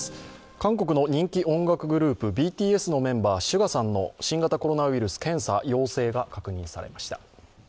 韓国の人気音楽グループ、ＢＴＳのメンバーＳＵＧＡさんの新型コロナウイルス検査陽性が確認されました。